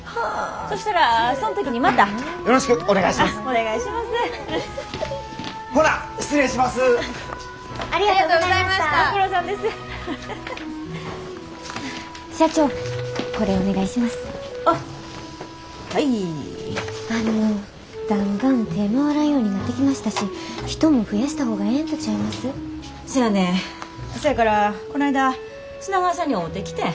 そやからこないだ砂川さんに会うてきてん。